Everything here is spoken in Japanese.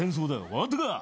分かったか？